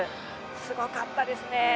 すごかったですね。